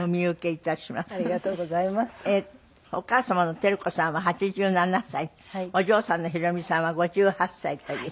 お母様の照子さんは８７歳お嬢さんのひろ美さんは５８歳という。